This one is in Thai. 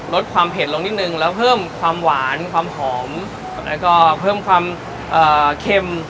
ลดความเผ็ดลงนิดนึงแล้วเพิ่มความหวานความหอมแล้วก็เพิ่มความเค็ม